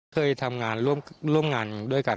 เคยทำงานร่วมงานด้วยกัน